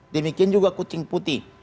demikian juga kucing putih